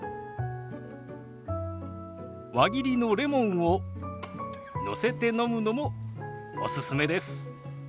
輪切りのレモンをのせて飲むのもおすすめです。